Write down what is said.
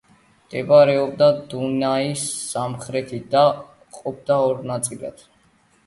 მდებარეობდა დუნაის სამხრეთით და იყოფოდა ორ ნაწილად.